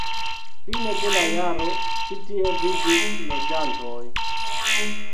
Fine de la jaro ĉi tie vivis loĝantoj.